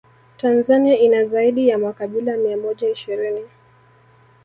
Tanzania ina zaidi ya makabila mia moja ishirini